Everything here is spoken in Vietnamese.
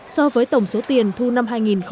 so với tổng số tiền thu năm hai nghìn một mươi bảy